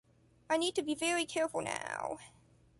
I need to be very careful now.